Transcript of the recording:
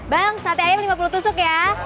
bang sate ayam lima puluh tusuk ya